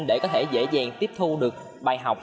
để có thể dễ dàng tiếp thu được bài học